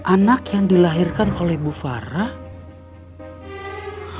anak yang dilahirkan oleh bu farah